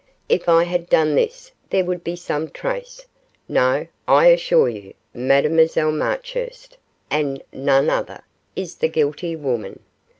If I had done this there would be some trace no, I assure you Mademoiselle Marchurst, and none other, is the guilty woman.